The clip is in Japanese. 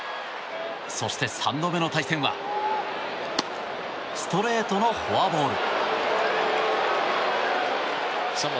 そして、３度目の対戦はストレートのフォアボール。